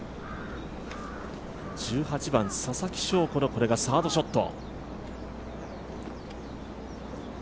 １８番、ささきしょうこのこれがサードショット。